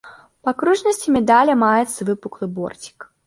Па акружнасці медаля маецца выпуклы борцік.